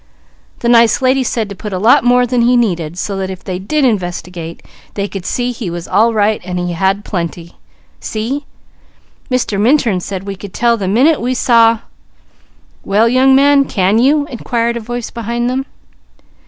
The nice lady said to put a lot more than he needed, so if they did investigate they could see he had plenty. See? Mr. Minturn said we could tell the minute we saw him " "Well young man, can you?" inquired a voice behind them.